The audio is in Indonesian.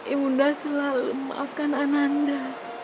ibu unda selalu maafkan anda